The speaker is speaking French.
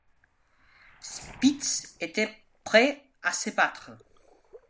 Spitz était prêt à se battre.